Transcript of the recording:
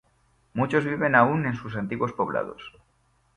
Muchos viven aún en sus antiguos poblados.